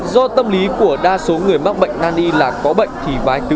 do tâm lý của đa số người mắc bệnh nani là có bệnh